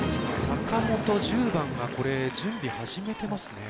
坂本１０番が準備を始めていますね。